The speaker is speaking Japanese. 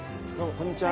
こんにちは。